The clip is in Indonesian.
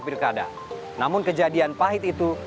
pilkada namun kejadian pahit itu